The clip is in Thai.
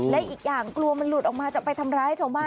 และอีกอย่างกลัวมันหลุดออกมาจะไปทำร้ายชาวบ้าน